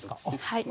はい。